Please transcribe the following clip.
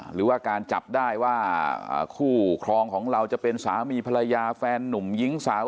หรือว่าการจับได้ว่าคู่ครองของเราจะเป็นสามีภรรยาแฟนนุ่มหญิงสาว